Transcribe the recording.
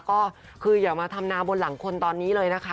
ก็คืออย่ามาทำนาบนหลังคนตอนนี้เลยนะคะ